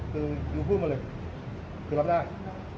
คือยูพูดมาเลยคือรับได้